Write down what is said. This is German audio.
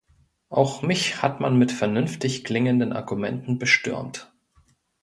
Auch mich hat man mit vernünftig klingenden Argumenten bestürmt.